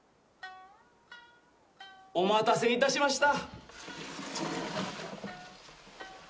お待たせ致しました。